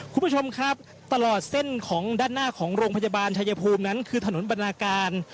คุณผู้ชมครับตลอดเส้นของด้านหน้าของโรงพยาบาลชายภูมินั้นคือถนนบรรณาการ